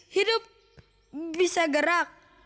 hidup bisa gerak